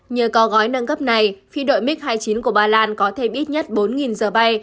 nhờ có gói nâng cấp này phi đội mig hai mươi chín của bà lan có thêm ít nhất bốn giờ bay